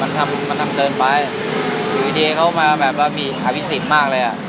มันทำมันทำเกินไปอยู่ดีเขามาแบบว่ามีอภิษฎมากเลยอ่ะ